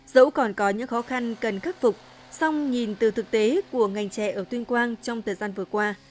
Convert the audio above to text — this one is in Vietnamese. dẫu còn có những khó khăn cần khắc phục xong nhìn từ thực tế của ngành trẻ ở tuyên quang trong thời gian vừa qua